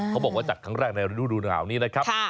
เขาบอกว่าจัดครั้งแรกในฤดูหนาวนี้นะครับ